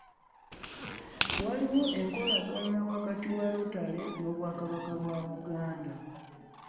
Waliwo enkolagana wakati wa Rotary ny'obwakabaka bwa Buganda